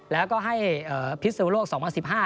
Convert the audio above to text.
แล้วก็ให้พิศนุโลก๒๐๑๕